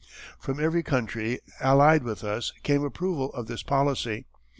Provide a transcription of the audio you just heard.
From every country allied with us came approval of this policy.